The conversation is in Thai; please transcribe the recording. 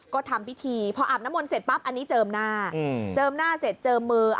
ก็ทำพิธีพออาบน้ำมนต์เสร็จปั๊บอันนี้เจิมหน้าเจิมหน้าเสร็จเจิมมือ